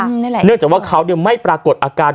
เนื่องจากว่าเขาไม่ปรากฏอาการ